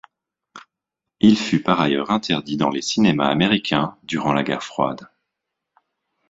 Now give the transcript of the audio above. Il fut par ailleurs interdit dans les cinémas américains durant la guerre froide.